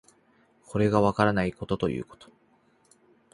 これがわからないことということ